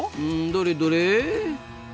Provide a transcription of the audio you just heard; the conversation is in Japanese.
うんどれどれ？